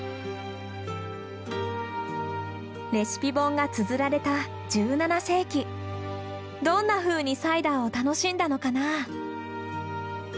レシピ本がつづられた１７世紀どんなふうにサイダーを楽しんだのかな。